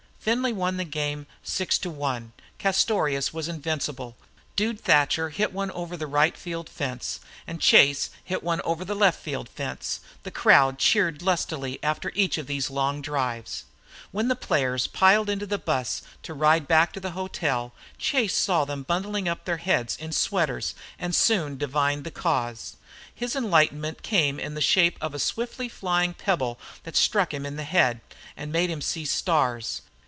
Findlay won the game 6 to 1. Castorious was invincible. Dude Thatcher hit one over the right field fence, and Chase hit one over the left field fence. The crowd cheered lustily after each of these long drives. When the players piled into the bus to ride back to the hotel Chase saw them bundling up their heads in sweaters, and soon divined the cause. His enlightenment came in the shape of a swiftly flying pebble that struck his head and made him see stars.